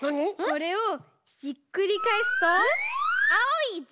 これをひっくりかえすとあおいゼリー！